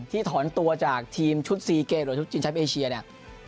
ที่ถอนตัวจากทีมชุดซีเกย์หรือชุดจินชัพเอเชียเนี่ย